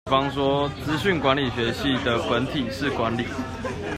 比方說「資訊管理學系」的本體是管理